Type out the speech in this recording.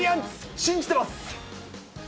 信じてます。